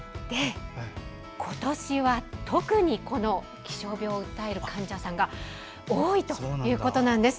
今年は特に気象病を訴える患者さんが多いということなんです。